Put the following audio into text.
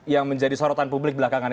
yang menjadi sorotan publik belakangan